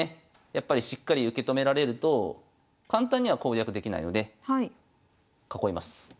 やっぱりしっかり受け止められると簡単には攻略できないので囲います。